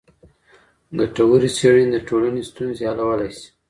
ګټورې څېړني د ټولني ستونزې حلولی سي.